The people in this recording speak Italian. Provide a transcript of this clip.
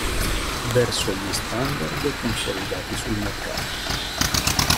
Verso gli standard consolidati sul mercato.